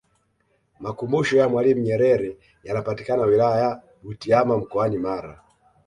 makumbusho ya mwalimu nyerere yanapatika wilaya ya butiama mkoani mara